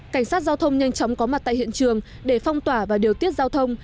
cảnh sát giao thông nhanh chóng có mặt tại hiện trường để phong tỏa và điều tiết giao thông